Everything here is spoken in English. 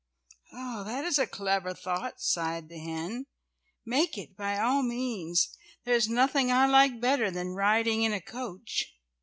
"That is a clever thought," sighed the hen. "Make it by all means. There is nothing I like better than riding in a coach."